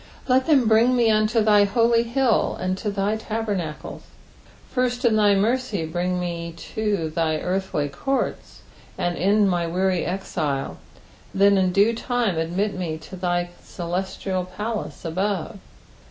"Ltt them bring me unto thy holy hilt, and to thy tabemaelei." First in thy mercy brine me to thine earthly courts, and end my weary exile, and then in due time admit me to thy celestial palace above.